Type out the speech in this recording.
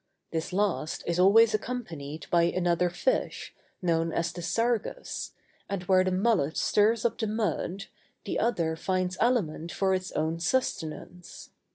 This last is always accompanied by another fish, known as the sargus, and where the mullet stirs up the mud, the other finds aliment for its own sustenance.